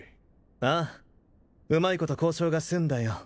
ああうまいこと交渉が済んだよ